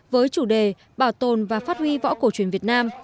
với chủ đề bảo tồn và phát huy võ cổ truyền việt nam